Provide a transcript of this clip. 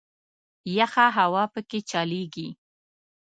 یخه هوا په کې چلیږي.